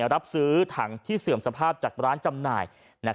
รับซื้อถังที่เสื่อมสภาพจากร้านจำหน่าย